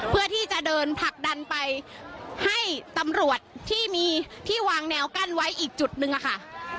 เพื่อที่จะเดินผลักดันไปให้ตำรวจที่มีที่วางแนวกั้นไว้อีกจุดนึงค่ะ